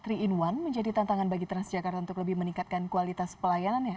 tiga in satu menjadi tantangan bagi transjakarta untuk lebih meningkatkan kualitas pelayanannya